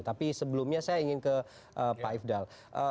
tapi sebelumnya saya ingin ke pak ifdal